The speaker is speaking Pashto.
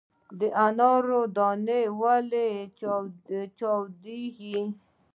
د انارو دانې ولې چاودیږي؟